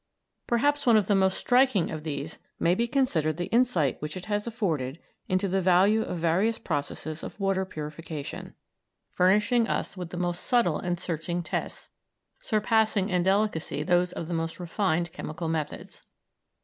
Perhaps one of the most striking of these may be considered the insight which it has afforded into the value of various processes of water purification, furnishing us with the most subtle and searching tests, surpassing in delicacy those of the most refined chemical methods.